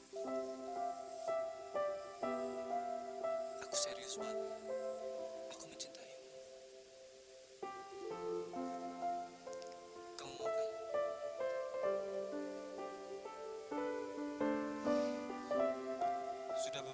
dan aku juga tidak mau ingat ingat lagi